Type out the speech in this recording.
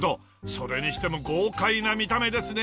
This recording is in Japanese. それにしても豪快な見た目ですね！